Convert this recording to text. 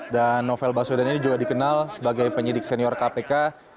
dan novel baswedan ini juga dikenal sebagai penyidik senior kpk